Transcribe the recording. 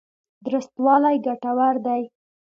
درستوالی ګټور دی.